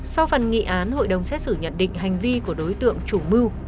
sau phần nghị án hội đồng xét xử nhận định hành vi của đối tượng chủ mưu